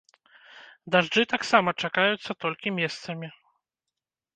Дажджы таксама чакаюцца толькі месцамі.